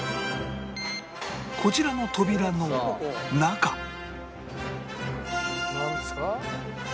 こちらの扉の中なんですか？